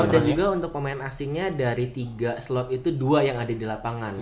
juga untuk pemain asingnya dari tiga slot itu dua yang ada di lapangan